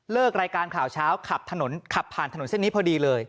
เลิกรายการข่าวเช้าขับผ่านถนนเส้นนี้พอดีเลย